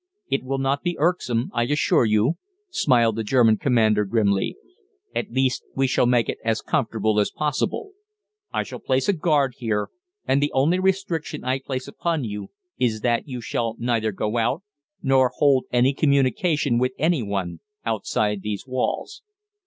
"It will not be irksome, I assure you," smiled the German commander grimly. "At least, we shall make it as comfortable as possible. I shall place a guard here, and the only restriction I place upon you is that you shall neither go out nor hold any communication with any one outside these walls."